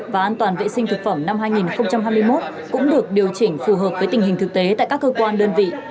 và an toàn vệ sinh thực phẩm năm hai nghìn hai mươi một cũng được điều chỉnh phù hợp với tình hình thực tế tại các cơ quan đơn vị